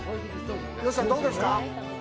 吉さん、どうですか。